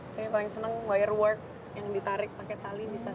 saya paling seneng wire work yang ditarik pakai tali bisa salto